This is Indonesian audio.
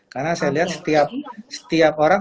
karena saya lihat setiap orang